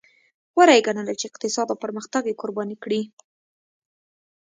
غوره یې ګڼله چې اقتصاد او پرمختګ یې قرباني کړي.